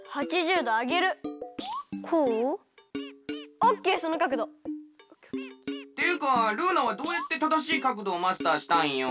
オッケーそのかくど！っていうかルーナはどうやってただしいかくどをマスターしたんよ？